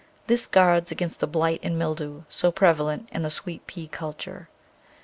This guards against the blight and mildew, so prevalent in Sweet pea culture.